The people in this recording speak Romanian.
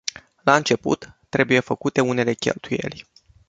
La început, trebuie făcute unele cheltuieli.